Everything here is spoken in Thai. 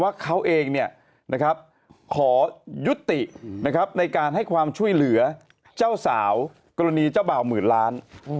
ว่าเขาเองขอยุติในการให้ความช่วยเหลือเจ้าสาวกรณีเจ้าบ่าวหมื่นล้าน